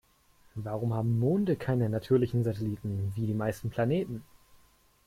Warum haben Monde keine natürlichen Satelliten wie die meisten Planeten?